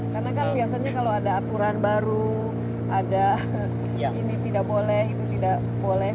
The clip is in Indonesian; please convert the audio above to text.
karena kan biasanya kalau ada aturan baru ada ini tidak boleh itu tidak boleh